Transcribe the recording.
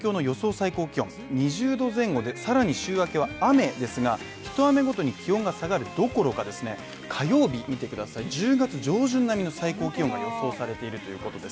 最高気温２０度前後でさらに週明けは雨ですが一雨ごとに気温が下がるどころか火曜日は１０月上旬並みの最高気温が予想されているということです。